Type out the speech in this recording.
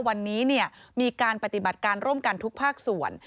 วันนี้มีการปฏิบัติการร่วมกันทุกภาคส่วน